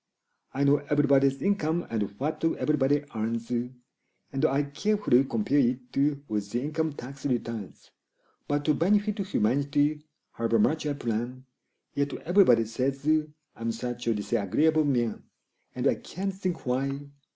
I know everybody's income and what everybody earns, And I carefully compare it with the income tax returns; But to benefit humanity, however much I plan, Yet everybody says I'm such a disagreeable man! And I can't think why!